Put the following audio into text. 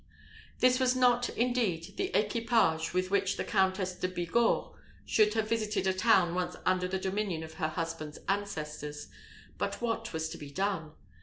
This was not, indeed, the equipage with which the Countess de Bigorre should have visited a town once under the dominion of her husband's ancestors; but what was to be done?